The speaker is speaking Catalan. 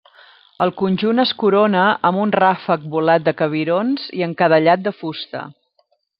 El conjunt es corona amb un ràfec volat de cabirons i encadellat de fusta.